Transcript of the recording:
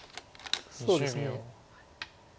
そうですね。